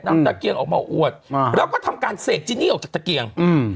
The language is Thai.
ตะเกียงออกมาอวดมาแล้วก็ทำการเสกจินี่ออกจากตะเกียงอืม